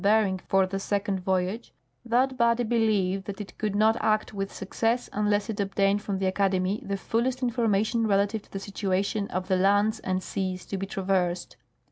Bering for the second voyage, that body beheved that it could not act with success unless it obtained from the Academy the fullest information relative to the situation of the lands and seas to be traversed.